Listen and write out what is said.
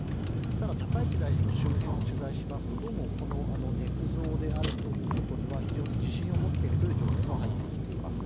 ただ、高市大臣の周辺を取材しますと、どうもこのねつ造であるということには、非常に自信を持っているという情報も入ってきています。